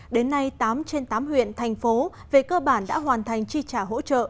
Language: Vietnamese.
đến nay tám trên tám huyện thành phố về cơ bản đã hoàn thành chi trả hỗ trợ